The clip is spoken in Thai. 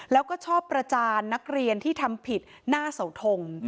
แล้วก็ชอบประจานนักเรียนที่ทำผิดหน้าเสาทง